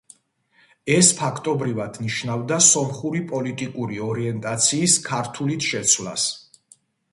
ეს, ფაქტობრივად, ნიშნავდა სომხური პოლიტიკური ორიენტაციის ქართულით შეცვლას.